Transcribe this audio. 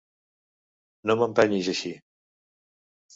No m'empenyis així!